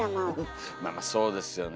まあまあそうですよね。